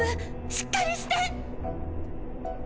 しっかりして！